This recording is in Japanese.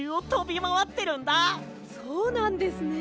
そうなんですね。